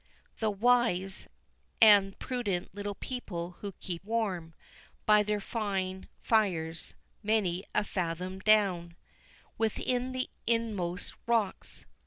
"The wise And prudent little people, who keep warm By their fine fires, many a fathom down Within the inmost rocks.